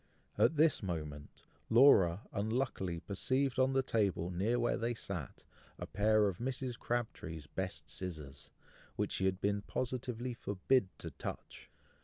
At this moment Laura unluckily perceived on the table near where they sat, a pair of Mrs. Crabtree's best scissors, which she had been positively forbid to touch.